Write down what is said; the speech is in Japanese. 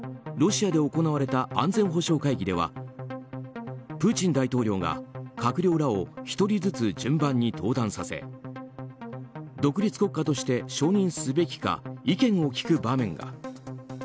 ロシアで行われた安全保障会議ではプーチン大統領が閣僚らを１人ずつ順番に登壇させ独立国家として承認すべきか意見を聞く場面が。